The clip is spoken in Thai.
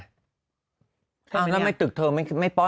แล้วไม่ตึกเธอไม่ป้อน